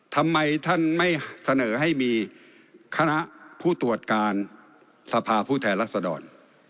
ทำไมท่านไม่เสนอให้มีคณะผู้ตรวจการสภาผู้แทนรัศดร